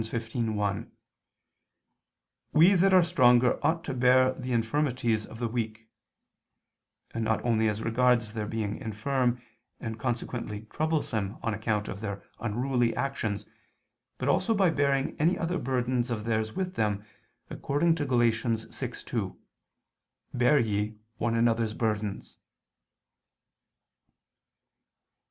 15:1: "We that are stronger, ought to bear the infirmities of the weak," and not only as regards their being infirm and consequently troublesome on account of their unruly actions, but also by bearing any other burdens of theirs with them, according to Gal. 6:2: "Bear ye one another's burdens."